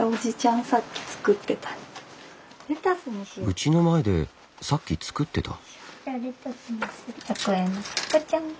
うちの前でさっき作ってた？